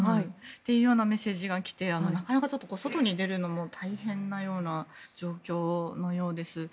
そういうメッセージも来てなかなか外に出るのも大変なような状況のようです。